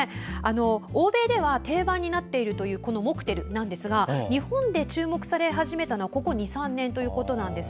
欧米では定番になっているというモクテルなんですが日本で注目され始めたのはここ２３年ということなんです。